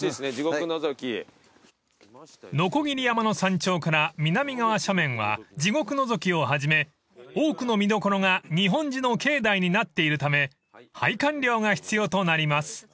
［鋸山の山頂から南側斜面は地獄のぞきをはじめ多くの見どころが日本寺の境内になっているため拝観料が必要となります］